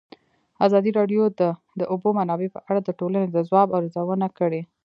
ازادي راډیو د د اوبو منابع په اړه د ټولنې د ځواب ارزونه کړې.